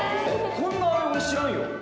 こんな阿部、俺、知らんよ。